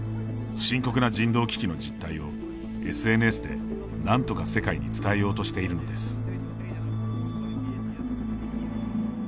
深刻な人道危機の実態をＳＮＳでなんとか世界に伝えようとしているのです。